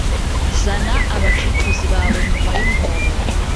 zana abacukuzi bawe nyuma yumwobo.